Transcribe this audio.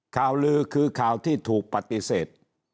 ข่าวลือคือข่าวที่ถูกปฏิเสธ